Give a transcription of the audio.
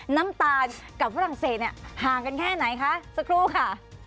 น้ำตาลกับฝรั่งเศสเนี่ยห่างกันแค่ไหนคะสักครู่ค่ะ